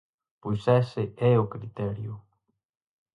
Pois ese é o criterio.